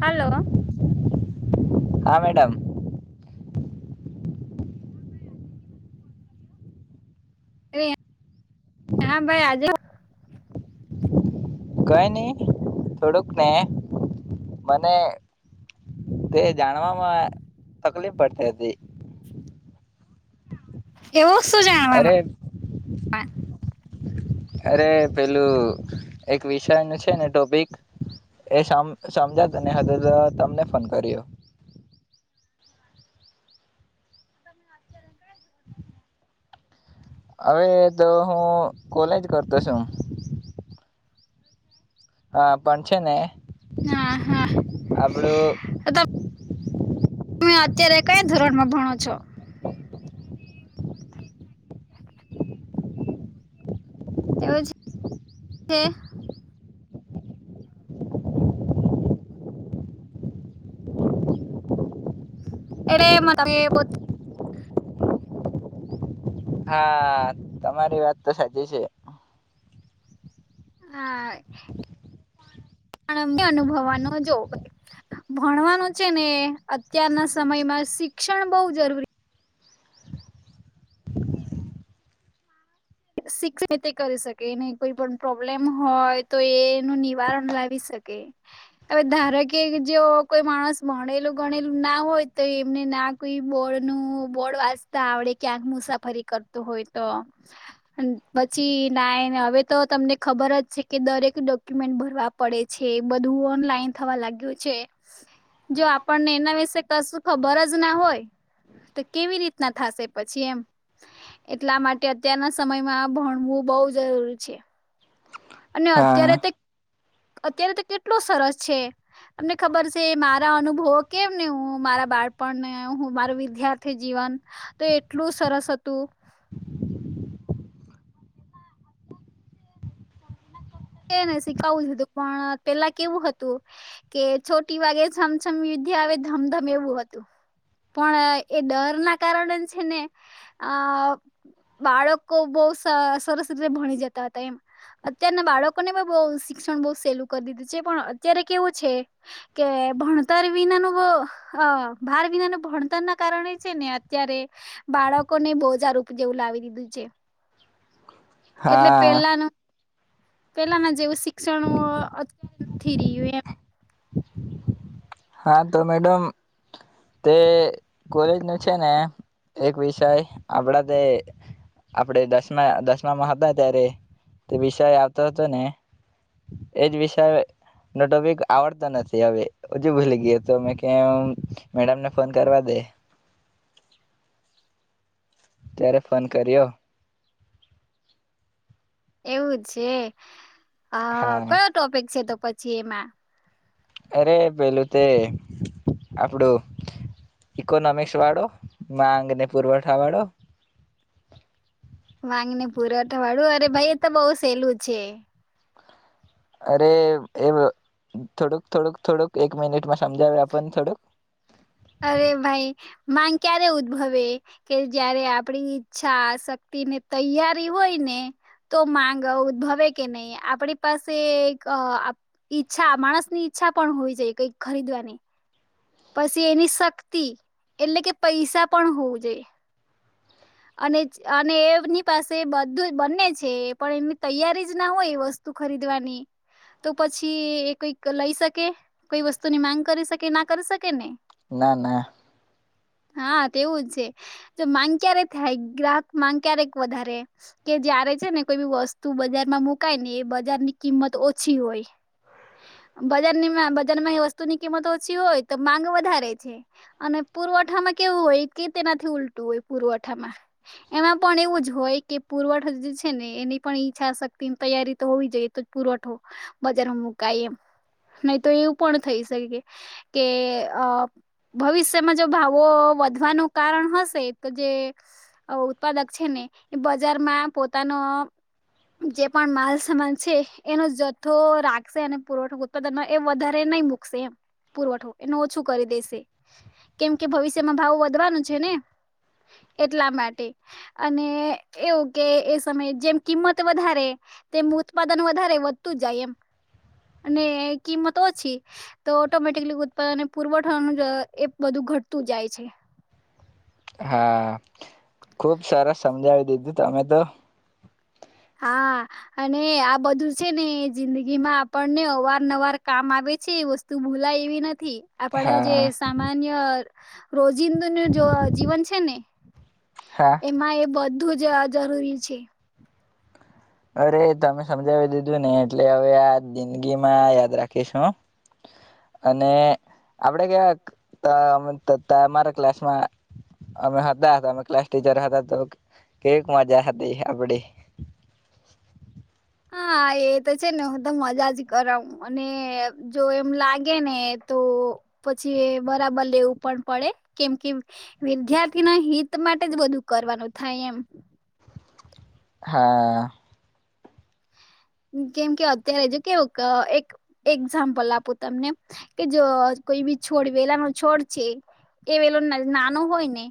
Hello હા madam હ હા [unintelligible] કઈ નહ થોડુંક ને મને તે જાણવામાં તકલીફ પડતી હતી એવું શું અરે જાણવામાં અરે પેલું એક વિષય ન છે, ને ટોપીક એ સમ સમજાતું ને હ હતો તો તમને ફોન કર્યો હવે તો હું કોલેજ કરતો છું હા પણ છે, ને હા હા હ બળો [inaudible] તમે અત્યારે કયા ધોરણમાં ભણો છો એવું જ છે. એે એમાં તમે લોકો હા તમારી વાત તો સાચી છે. હા [unintelligible] જો ભણવાનું છે ને અત્યારના સમયમાં શિક્ષણ બો જરૂરી [unintelligible] મિતી કરી શકે ને કોઈ પણ પ્રોબ્લેમ હોય તો એનું નિવારણ લાવી શકે હવે ધારો કે જે કોઈ માણસ ભણેલું ગણેલું ના હોય તો એમને ના કોઈ બોર્ડનું બોર્ડ વાંચતા આવડે ક્યાંક મુસાફરી કરતો હોય તો. આન પછી ના હવે તો તમને ખબર જ છે કે દરેક ડોક્યુમેન્ટ ભરવા પડે છે બધું ઓનલાઇન થવા લાગ્યું છે જો આપણને એના વિશે કશું ખબર જ ના હોય તો કેવી રીતના થશે પછી એમ એટલા માટે અત્યારના સમયમાં આ ભણવું બહુ જરૂરી છે. અને હા અત્યારે તે અત્યારે તો કેટલું સરસ છે તમને ખબર છે મારા અનુભવો કેમ ને હું મારા બાળપણને હું મારું વિદ્યાર્થી જીવન તો એટલું સરસ હતું. શીખું જ હતું પણ પેલા કેવું હતું કે છોટી વાગે છમછમ યુધ્યા આવે ધમધમ એવું હતું પણ એ ડર ના કારણે છે ને આ બાળકો બો સ સરસ રીતે ભણી જતા હતા એમ અત્યારના બાળકો લોકોને બો શિક્ષણ બો સેલું કરી દીધું છે પણ અત્યારે કેવું છે કે ભણતર વિનાનું ભાર વિનાનું ભણતર ના કારણે છે ને અત્યારે બાળકોને બીજા રૂપ જેવું લાવી દીધું છે. એટલે હા પેલાનું પેલાના જેવું શિક્ષણ અ નથી રહ્યું એમ. હા તો મેડમ તે કોલેજ નું છે ને એક વિષય આપડા તે આપણે દસમા દસમામાં હતા ત્યારે તે વિષય આવતો હતો ને એજ વિષય નો ટોપિક આવડતો નથી હવે હજુ ભૂલી ગયા તો મે ક્યા મેડમને ફોન કરવા દે. ત્યારે ફોન કર્યો. એવું જ છે. હા કયો ટોપિક છે તો પછી એમાં અરે પેલું તે આપડું ઈકોનોમિક્સ વાળો માંગને પુરવઠા વાળો વાંગને પુરવઠા વાળું અરે ભાઈ એ તો બહ સહેલું છે. અરે એ થોડુંક થોડુંક થોડુંક એક મિનિટમાં સમજાવે આપણને થોડુંક. અરે ભાઈ માંગ ક્યારે ઉદ્ભવે કે જયારે આપડી ઈચ્છા શક્તિ ને તૈયારી હોય ને તો માંગ ઉદ્ભવે કે નહી આપણી પાસે એક ઈચ્છા માણસની ઈચ્છા પણ હોય જાય કઈ ખરીદવાની પછી એની શક્તિ એટલે કે પૈસા પણ હોવું જોઈએ. અને અને એમની પાસે બધું બંને છે પણ એમની તૈયારી જ ના હોય વસ્તુ ખરીદવાની તો પછી એ કઈક લઈ શકે કોઈ વસ્તુની માંગ કરી શકે ના કરી શકે ને. ના, ના. હા તેવું જ છે જો માંગ ક્યારે થાય ગ્રાહક માંગ ક્યારેક વધારે કે જ્યારે છે ને કોઈ વસ્તુ બજારમાં મુકાય ને એ બજારની કિંમત ઓછી હોય બજારની બજારમાં એ વસ્તુની કિંમત ઓછી હોય તો માંગ વધારે છે અને પુરવઠામાં કેવું હોય કે તેનાથી ઉલટું હોય પુરવ એમાં પણ એવું જ હોય કે પુરવઠો જે છે ને એની પણ ઈચ્છાશક્તિ તૈયારી તો હોવી જઈ તો જ પુરવઠો બજારમાં મુકાય એમ નહી તો એવું પણ થઈ શકે કે ભવિષ્યમાં જો ભાવો વધવાનું કારણ હશે તો જે ઉત્પાદક છે ને એ બજારમાં પોતાનો જે પણ માલ સમાન છે એનો જથ્થો રાખશે અને પુરવઠો ઉત્પાદનમાં એ વધારે નહી મુૂકશે એમ પુરવઠો એનું ઓછું કરી દેશે કેમ કે ભવિષ્યમાં ભાવ વધવાનું છે ને. એટલા માટે અને એવું કે એ સમયે જેમ કિંમત વધારે તેમ ઉત્પાદન વધારે વધતું જાય એમ અને કિંમત ઓછી તો ઓટોમેટિકલી ઉત્પાદન પુરવઠાનું જ એ બધું ઘટતું જાય છે. હા ખુબ સરસ સમજાવી દીધું તમે તો હા અને આ બધું છે ને જિંદગી માં આપણને અવાર નવાર કામ આવે છે વસ્તુ ભૂલાય એવી નથી. આપડા જે હા સામાન અન રોજિંદુ નું જો જીવન છે ને હા એમાં એ બ વધુ જ જરૂરી છે. અરે તમે સમજાવી દીધું ને એટલે હવે આ જિંદગીમાં યાદ રાખીશું અને આપડે કેવાંક ત તમ તમારા ક્લાસમાં અમે હતા અમે ક્લાસ ટીચર હતા તો કેવીક મજા હતી આપડી. હા એ તો છે ને હું તો મજા જ કરાવ મને જો એમ લાગે ને તો પછી બરાબર લેવું પણ પડે કેમ કે વિદ્યાર્થી ના હિત માટે જ બધું કરવાનું થાય એમ. હા. કેમ કે અત્યારે જો કેવું એક એક્ઝામ્પલ આપું તમને કે જો કોઈ બી છોડ વેલા ન છોડ છે એ વેલો નાનો હોય ને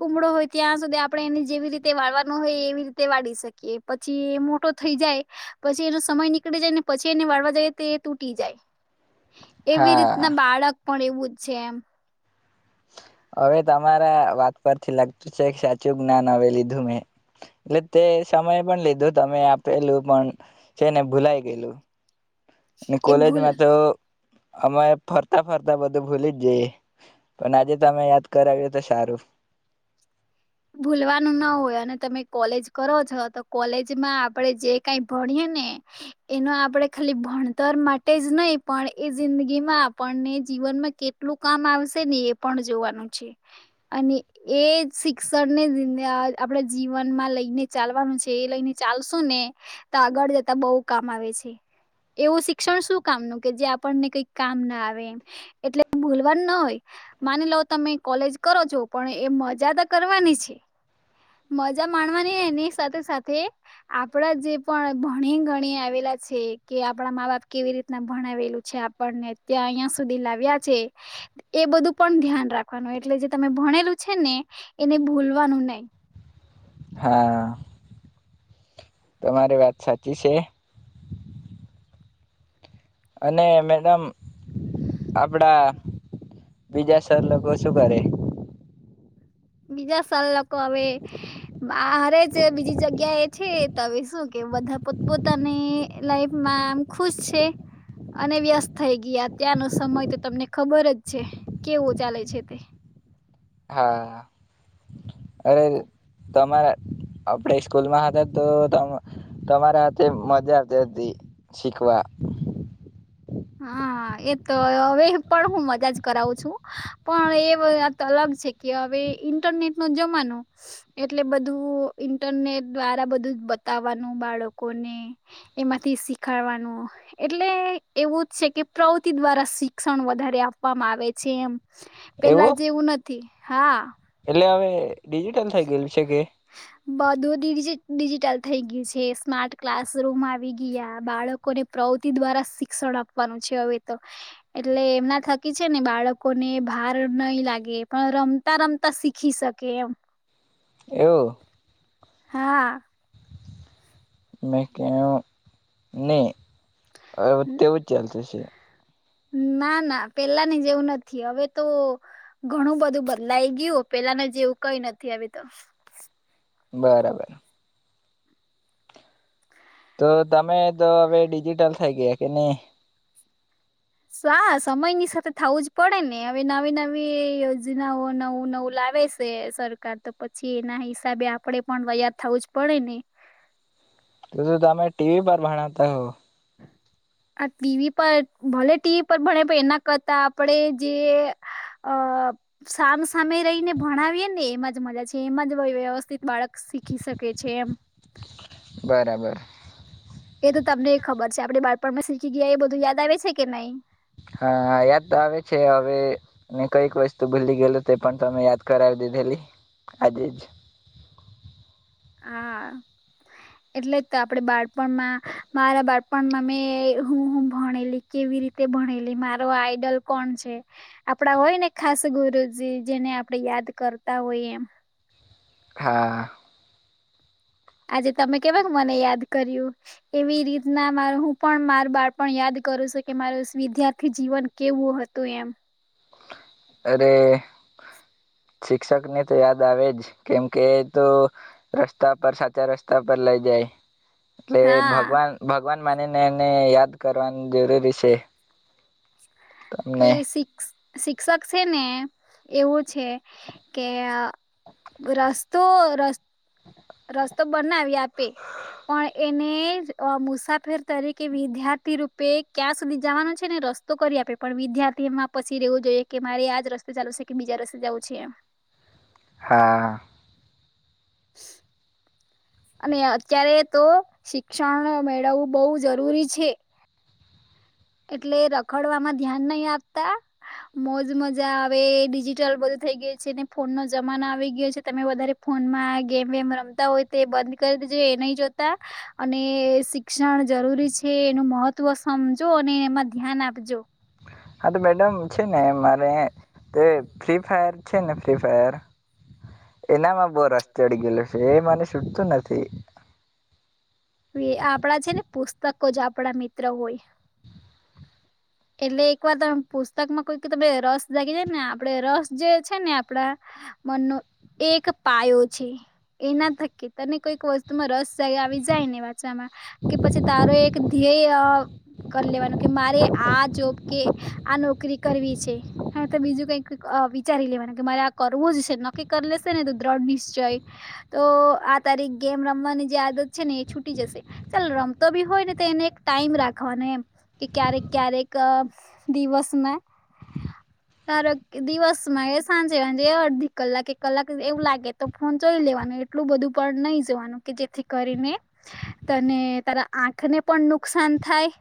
કુમડો હોય ત્યાં સુધી આપણે એને જેવી રીતે વાળવાનો હોય એવી રીતે વાળી શકીએ પછી મોટો થઈ જાય. પછી એનો સમય નીકળી જાય ને પછી એને વાળવા જઈએ તો એ તૂટી જાય. એવી હા રીતના બાળક પણ એવું જ છે એમ. હવે તમારા વાત પરથી લાગતું છે સાચું જ્ઞાન હવે લીધું મેં એટલે તે સમય પણ લીધું તમે આપેલું પણ છે ને ભૂલાય ગયેલું. ને એ ભૂલ કોલેજમાં તો અમે ફરતા ફરતા બધું ભૂલી જ જઈએ પણ આજે તમે યાદ કરાવીએ તો સારું. ભૂલવાનું ના હોય અને તમે કોલેજ કરો છો તો કોલેજમાં આપણે જે કઈ ભણીએ ને એનો આપણેે ખાલી ભણતર માટે જ નહી પણ એ જિંદગીમાં આપણને જીવનમાં કેટલું કામ આવશે ને એ પણ જોવાનું છે અને એ શ્ષ આપણા જીવનમાં લઈને ચાલવાનું છે એ લઈને ચાલશું ને તો આગળ જતા બહુ કામ આવે છે એવું શિક્ષણ શું કામનું કે જે આપણને કઈ કામ ના આવે એમ એટલે ભૂલવાનું ના હોય માની લો તમે કોલેજ કરો છો પણ એ મજા ત કરવાની છે. મજા માણવાની ને સાથે સાથે આપડા જે પણ ભણી ગણી આવેલા છે કે આપડા મા બાપ કેવી રીતના ભણાવલું છે આપણને ત્યાં અહિયાં સુધી લાવ્યા છે એ બધું પણ ધ્યાન રાખવાનું એટલે જે તમે ભણેલું છે ને એને ભૂલવાનું નઇ. હા. તમારી વાત સાચી છે. અને મેડમ આપડા બીજા સર લોકો શું કરે. બીજા સર લોકો હવે આ રે જ બીજી જગ્યા એ છે હવે શું કે બધા પોત પોતાની લાઈફમાં આમ ખુશ છે અને વ્યસ્ત થઈ ગયા ત્યાંનો સમય તો તમને ખબર જ છે કેવો ચાલે છે તે. હા અરે, તમારા આપણે સ્કૂલમાં હતા તો તમ તમારા હાથે મજા જ હતી શીખવા. હા એ તો હવે પણ હું મજા જ કરાવું છું પણ એ વાત અલગ છે કે હવે ઈન્ટરનેટ નો જમાનો એટલે બધું ઈન્ટરનેટ દ્વારા બધું જ બતાવવાનું બાળકોને એમાંથી શીખાડવાનું એટલે એવું જ છે કે પ્રવૃતિ દ્વારા શિક્ષણ વધારે આપવામાં આવે છે એમ પેલા જેવું નથ થી હા. એ હવે ડીજિટલ થઈ ગઈ બધું ડિજિ ડિજિટલ થઈ ગયું છે એ સ્માર્ટ ક્લાસરૂમ આવી ગયા બાળકોને પ્રવૃતિ દ્વારા શિક્ષણ આપવાનું છે હવે તો એટલે એમના થકી છે ને બાળકોને ભાર નહી લાગે પણ રમતા રમતા શીખી શકે એમ. એવું. હા. મે કેવું ની અવે તેવું જ ચાલતું છે. ના ના પેલા ની જેવું નથી હવે તો ઘણું બધું બદલાઈ ગયું પેલાનું જેવું કઈ નથી હવે તો. બરાબર. તો તમે તો હવે ડિજિટલ થઈ ગયા કે ની. સા સમયની સાથે થવું જ પડે ને હવે નવી નવી યોજનાઓ નવું નવું લાવે છે સરકાર તો પછી એના હિસાબે આપડે પણ [unintelligible] થવું જ પડે ને. તો તો તમે ટીવી પર ભણાવતા હો. આ ટીવી પર ભલે ટીવી પર ભણે એના કરતા આપડે જે અ સામસામે રહીને ભણાવીએ ને એમાં જ મજા છે એમાં જ વ્યવસ્થિત બાળક શીખી શકે છે એમ. બરાબર એ તો તમને ખબર છે આપડે બાળપણમાં શીખી ગયા એ બધું યાદ આવે છે કે નહી. હા યાદ તો આવે છે હવે ને કઈક વસ્તુ ભૂલી ગયેલ તે પણ તમે યાદ કરાવી દીધેલી આજે જ. હા એટલે જ આપડે બળ પણ મા મારા બાળ પણ મા મેં હું હું ભણેલી કેવી રીતે ભણેલી મારો આઈડલ કોણ છે આપડા હોય ને ખાસ ગુરુજી જેને આપણે યાદ કરતા હોય એમ. હા. આજે તમે કેવાક મને યાદ કર્યું એવી રીતના મા હું પણ મારું બાળપ યાદ કરું છું કે મારું વિદ્યાર્થી જીવન કેવું હતું એમ. અરે શિક્ષક ને તો યાદ આવે જ કેમકે તો રસ્તા પર સાચા રસ્તા પર લઇ જાય. એટલે હા ભગવાન ભ ભગવાન માની ને એમને યાદ કરવાનું જરૂરી છે. તમને એ સિક્સ શિક્ષક છે, ને એવું છે કે રસ્તો ર [unintelligible] તો બનાવી આપે પણ, એને જ મુસાફર તરીકે વિદ્યાર્થી રૂપે ક્યાં સુધી જવાનો છે ને રસ્તો કરી આપે પણ વિદ્યાર્થી એમાં પછી રવું જોઈએ કે મારે આજ રસ્તે ચાલુ છે કે બીજા રસ્તે જવું છે એમ હા [inaudible] અને અત્યારે તો શિક્ષણ મેળવવું બહવ જરૂરી છે એટલે રખડવાવામાં ધ્યાન નહી આપતા મોજ મજા હવે ડિજિટલ બધું થઈ ગયું છે ને ફોન ન જમાનો આવી ગયો છે, તમે વધારે ફોનમાં ગેમ વેમ રમતા હોય તે બંધ કરી દેજો, એ નહી જોતા અને શિક્ષણ જરૂરી છે એનું મહત્વ સમજ જોને એમાં ધ્યાન આપજો. હા, તો મેડમ છે ને મારે તે ફ્રી ફાયર છે ને ફ્રી ફાયર એનામાં બહુ રસ ચડી ગયેલો છે એ મને છૂટતું નથી. હવે આપણા છે ને પુસ્તકો જ આપણા મિત્ર હોય એટલે એક વાર તમે પુસ્તકમાં કોઈક તમે રસ જાગી જાયને આપણે રસ જે છે ને આપણા મનનો એ એક પાયો છે. એના થકી તને કોઈક વસ્તુમાં રસ આવી જાય ને વાંચવામાં કે પછી તારો એક ધ્યેય કરી લેવાનું કે મારે આ જોબ કે આ નોકરી કરવી છે. હા તો બીજું કઈક અ વિચારી લેવાનું કે મારે આ કરવું જ છે. નક્કી કર લેશે ને તો દ્રઢ નિશ્ચય તો આ તારી ગેમ રમવાની જે આદત છે ને એ છૂટી જશે ચાલ રમતો બી હોય ને તો, એને એક ટાઈમ રાખવાનો એમ કે ક્યારેક ક્યારેક દિવસમાં ધારો કે દિવસમાં એ સાંજે સાંજે અડધી કલાકે કલાકે એવું લાગે તો, ફોન જોઈ લેવાનું એટલું બધું પણ નહી જોવાનું કે જેથી કરીને તને તારા આંખને પણ નુકસાન થાય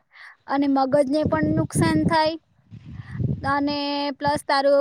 અને મગજને પણ નુકસાન થાય. અને પ્લસ તારું